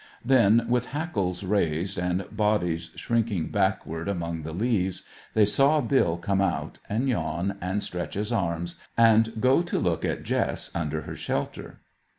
Then, with hackles raised, and bodies shrinking backward among the leaves, they saw Bill come out, and yawn, and stretch his arms, and go to look at Jess, under her shelter.